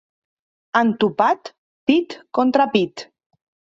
Han topat pit contra pit.